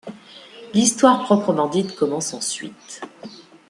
L'histoire proprement dite commence ensuite.